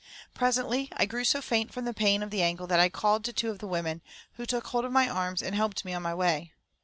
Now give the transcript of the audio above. Presently I grew so faint from the pain of the ankle that I called to two of the women, who took hold of my arms and helped me on my way.